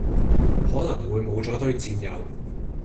可能會無咗堆戰友